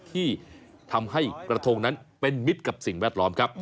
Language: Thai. ที่ทำให้กระทงนั้นเป็นมิตรกับสิ่งแวดล้อมครับ